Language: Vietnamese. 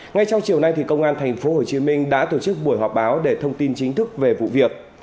ngay trong chiều nay công an tp hcm đã tổ chức buổi họp báo để thông tin chính thức về vụ việc